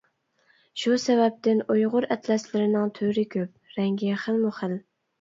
شۇ سەۋەبتىن ئۇيغۇر ئەتلەسلىرىنىڭ تۈرى كۆپ، رەڭگى خىلمۇ خىل.